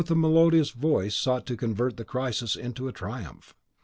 and with his melodious voice sought to convert the crisis into a triumph.